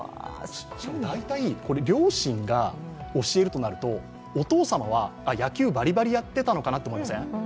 大体、両親が教えるとなるとお父様は、野球バリバリやってたのなと思いません？